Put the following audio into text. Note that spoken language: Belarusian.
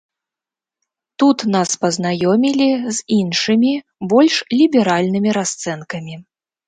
Тут нас пазнаёмілі з іншымі, больш ліберальнымі расцэнкамі.